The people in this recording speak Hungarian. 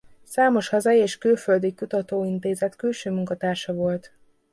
Számos hazai és külföldi kutatóintézet külső munkatársa volt.